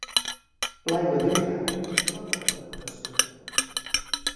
L'aigua d'un llac minva per evaporació.